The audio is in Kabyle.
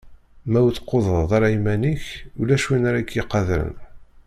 Ma ur tqudreḍ ara iman-ik, ulac win ara k-iqadren.